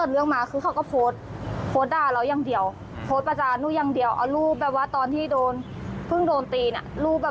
แล้วหนูก็ไม่คิดว่า